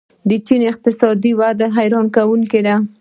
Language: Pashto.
د چین اقتصادي وده حیرانوونکې ده.